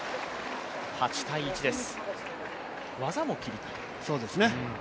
８−１です。